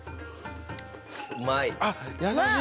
うまい。